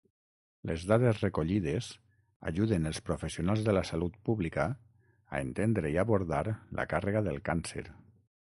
Les dades recollides ajuden els professionals de la salut pública a entendre i abordar la càrrega del càncer.